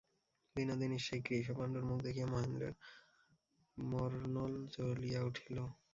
বিনোদিনীর সেই কৃশপাণ্ডুর মুখ দেখিয়া মহেন্দ্রের মর্ োনল জ্বলিয়া উঠিল।